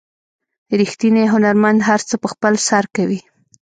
ریښتینی هنرمند هر څه په خپل سر کوي.